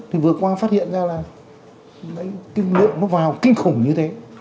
thì vừa qua phát hiện ra là cái lượng nó vào kinh khủng như thế